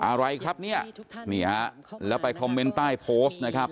อะไรครับเนี่ยนี่ฮะแล้วไปคอมเมนต์ใต้โพสต์นะครับ